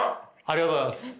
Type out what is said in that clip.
ありがとうございます。